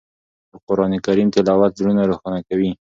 د قرآن کریم تلاوت زړونه روښانه کوي.